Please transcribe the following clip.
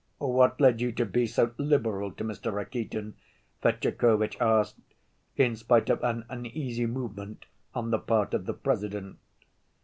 "What led you to be so liberal to Mr. Rakitin?" Fetyukovitch asked, in spite of an uneasy movement on the part of the President.